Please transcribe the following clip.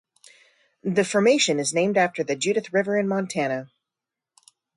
The formation is named after the Judith River in Montana.